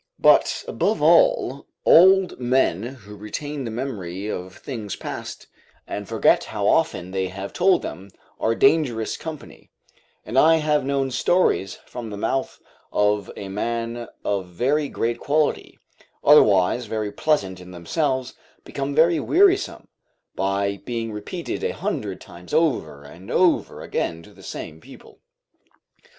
But, above all, old men who retain the memory of things past, and forget how often they have told them, are dangerous company; and I have known stories from the mouth of a man of very great quality, otherwise very pleasant in themselves, become very wearisome by being repeated a hundred times over and over again to the same people.